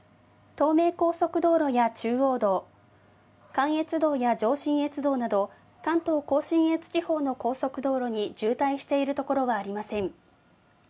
東名高速道路や中央道、関越道や上信越道など、関東甲信越地方の高速道路に渋滞している所はありません。